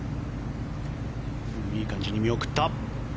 いい感じに見送った。